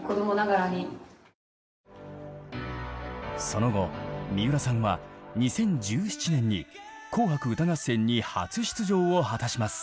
その後三浦さんは２０１７年に「紅白歌合戦」に初出場を果たします。